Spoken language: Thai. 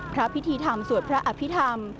พระพิธีธรรมสวัสดิ์พระอภิธรรม